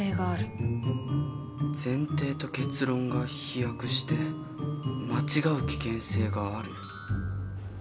前提と結論が飛躍して間違う危険性がある。